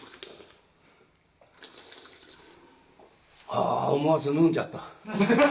あ思わず飲んじゃった。